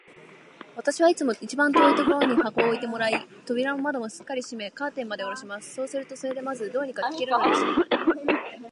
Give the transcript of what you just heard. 私はいつも一番遠いところに箱を置いてもらい、扉も窓もすっかり閉め、カーテンまでおろします。そうすると、それでまず、どうにか聞けるのでした。